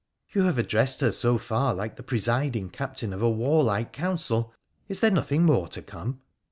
You have addressed her so far like the p:esiding captain of a warlike council. Is there nothing more to come